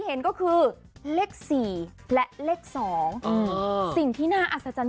เหมือนผีหลอกกลางวันสักสัมครอง